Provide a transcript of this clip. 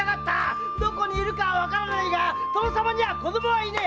どこにいるかはわからないが殿様には子供がいない。